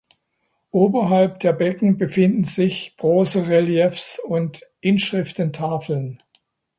Oberhalb der Becken befinden sich Bronzereliefs und Inschriftentafeln.